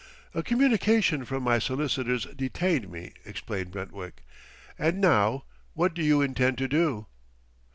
"A communication from my solicitors detained me," explained Brentwick. "And now, what do you intend to do?"